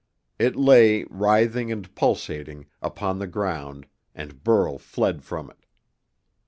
It lay, writhing and pulsating, upon the ground, and Burl fled from it.